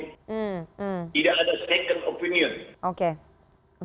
tidak ada second opinion